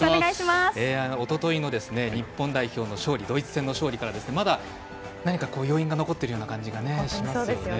おとといの日本代表のドイツ戦の勝利から、まだ何か余韻が残っている感じがしますよね。